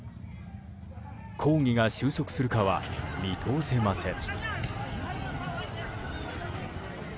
抗議が収束するかは見通せません。